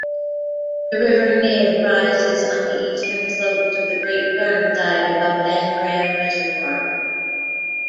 The River Nidd rises on the eastern slopes of Great Whernside, above Angram Reservoir.